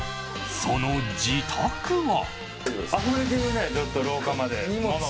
その自宅は。